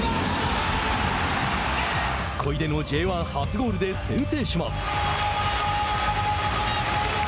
小出のＪ１初ゴールで先制します。